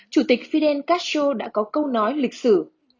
chủ tịch fidel castro đã có câu nói lịch sử